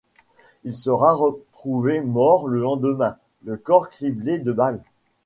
Il sera retrouvé mort le lendemain, le corps criblé de balles.